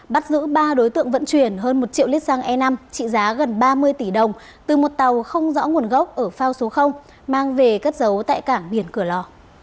bắt giữ ba đối tượng vận chuyển hơn một triệu lít xăng e năm trị giá gần ba mươi tỷ đồng từ một tàu không rõ nguồn gốc ở phao số mang về cất giấu tại cảng biển cửa lò